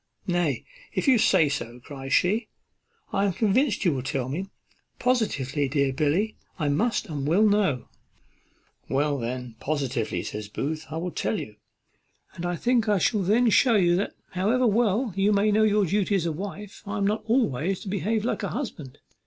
"Nay, if you say so," cries she, "I am convinced you will tell me. Positively, dear Billy, I must and will know." "Why, then, positively," says Booth, "I will tell you. And I think I shall then shew you that, however well you may know the duty of a wife, I am not always able to behave like a husband.